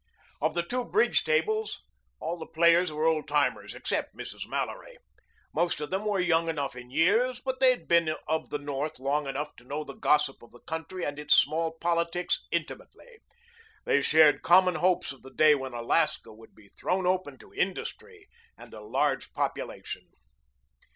Of the two bridge tables all the players were old timers except Mrs. Mallory. Most of them were young enough in years, but they had been of the North long enough to know the gossip of the country and its small politics intimately. They shared common hopes of the day when Alaska would be thrown open to industry and a large population.